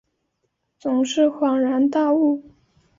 总是恍然大悟